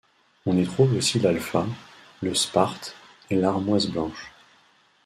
On y trouve aussi l’Alfa, le Sparte et l'Armoise blanche.